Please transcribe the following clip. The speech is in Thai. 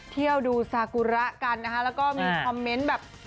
เที่ยวดูซากุระกันนะคะแล้วก็มีคอมเมนต์แบบ